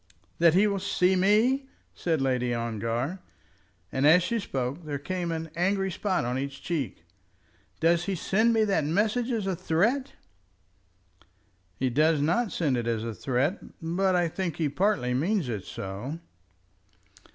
"That he will see me?" said Lady Ongar, and as she spoke there came an angry spot on each cheek. "Does he send me that message as a threat?" "He does not send it as a threat, but I think he partly means it so."